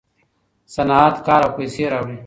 صنعت کار او پیسې راوړي.